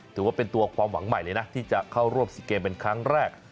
ถือว่าเป็นตัวความหวังใหม่เลยนะที่จะเข้าร่วม๔เกมเป็นครั้งแรก